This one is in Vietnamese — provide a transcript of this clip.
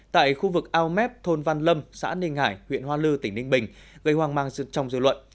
tại khu vực ao mép thôn văn lâm xã ninh hải huyện hoa lư tỉnh ninh bình gây hoang mang sự trong dư luận